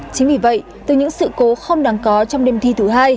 chính vì vậy từ những sự cố không đáng có trong đêm thi thứ hai